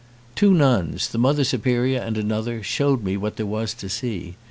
Two nuns, the Mother Superior and another, showed me what there was to see.